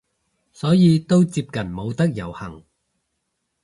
所以都接近冇得遊行